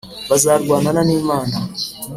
bazarwanana n`imana